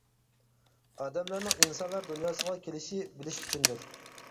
ئادەملەرنىڭ ئىنسانلار دۇنياسىغا كېلىشى بىلىش ئۈچۈندۇر.